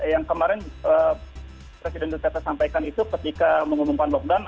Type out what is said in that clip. yang kemarin presiden duterte sampaikan itu ketika mengumumkan lockdown